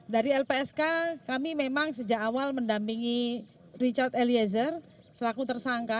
dari lpsk kami memang sejak awal mendampingi richard eliezer selaku tersangka